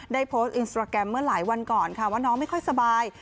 ได้โพสต์อินสตราแกรมเมื่อหลายวันก่อนค่ะว่าน้องไม่ค่อยสบาย